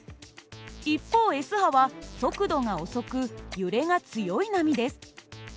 一方Ｓ波は速度が遅く揺れが強い波です。